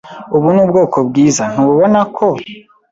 Ubu ni ubwoko bwiza, ntubona ko?